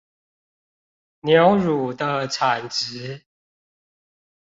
牛乳的產值